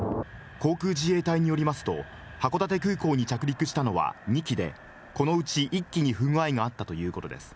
航空自衛隊によりますと、函館空港に着陸したのは２機で、このうち１機に不具合があったということです。